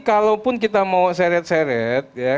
kalaupun kita mau seret seret